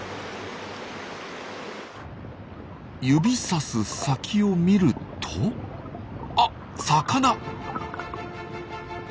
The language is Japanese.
指さす先を見るとあっ魚！